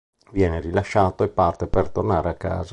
Viene rilasciato e parte per tornare a casa.